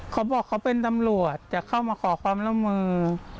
เขาบอกเขาเป็นตำรวจจะเข้ามาขอความร่วมมือ